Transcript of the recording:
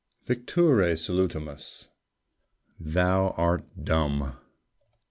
Victuræ salutamus! Thou art dumb.